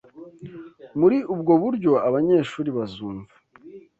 Muri ubwo buryo, abanyeshuri bazumva